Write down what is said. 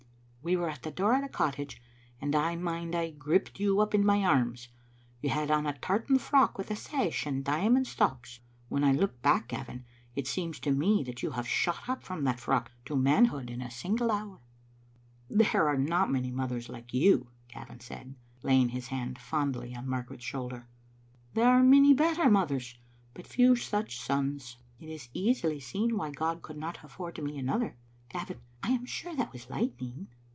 We were at the door of the cottage, and I mind I gripped you up in my arms. You had on a tartan froclc with a sash and diamond socks. When I look back, Gavin, it seems to me that you have shot up from that frock to manhood in a singlQ hour. " Digitized by VjOOQ IC "There are not many mothers like you," Gavin said, lajring his hand fondly on Margaret's shoulder. •* There are many better mothers, but few such sons. It is easily seen why God could not afiEord me another. Gavin, I am sure that was lightning."